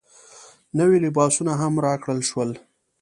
نوي لباسونه هم راکړل شول.